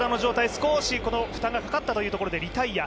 少し負担がかかったというところでリタイア。